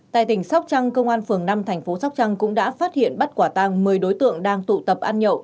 tại tỉnh sóc trăng công an phường năm tp sóc trăng cũng đã phát hiện bắt quả tàng một mươi đối tượng đang tụ tập ăn nhậu